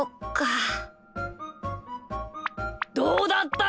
どうだった？